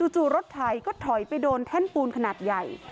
จู่รถไถก็ถอยไปโดนแท่นปูนขนาดใหญ่